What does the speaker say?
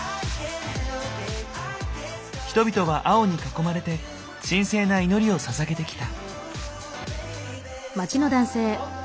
人々は青に囲まれて神聖な祈りをささげてきた。